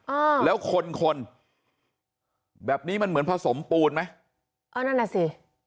อ่าแล้วคนคนแบบนี้มันเหมือนผสมปูนไหมเออนั่นน่ะสิ